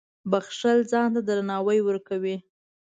• بښل ځان ته درناوی ورکوي.